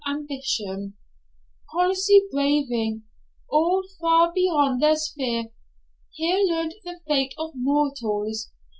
Ambition, policy, bravery, all far beyond their sphere, here learned the fate of mortals.